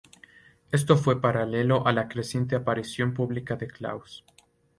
Esto fue paralelo a la creciente aparición pública de Klaus.